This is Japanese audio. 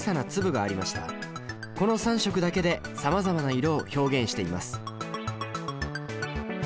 この３色だけでさまざまな色を表現しています。